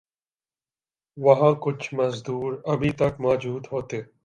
وہاں کچھ مزدور ابھی تک موجود ہوتے